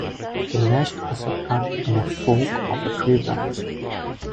The nest is a cup in a fork of a tree branch.